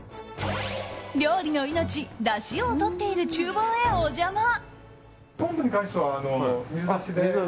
料理の命だしをとっている厨房へお邪魔。